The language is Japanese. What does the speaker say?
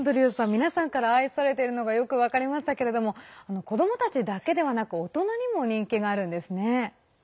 皆さんから愛されていたのがよく分かりましたけど子どもたちだけではなく大人にも人気があるんですね。